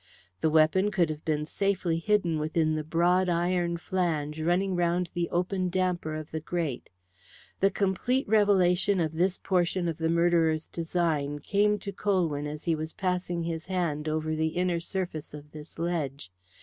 The weapon could have been safely hidden within the broad iron flange running round the open damper of the grate. The complete revelation of this portion of the murderer's design came to Colwyn as he was passing his hand over the inner surface of this ledge.